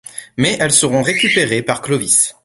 Mais elles seront récupérées par Clovis.